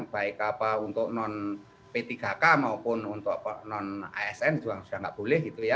baik untuk non p tiga k maupun untuk non asn juga sudah tidak boleh